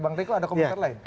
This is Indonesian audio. bang riko ada komentar lain